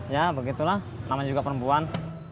ya begitulah namanya juga perempuan